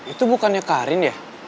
itu bukannya karin ya